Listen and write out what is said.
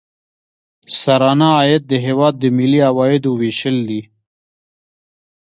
سرانه عاید د هیواد د ملي عوایدو ویشل دي.